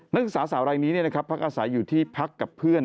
นักศึกษาสาวรายนี้พักอาศัยอยู่ที่พักกับเพื่อน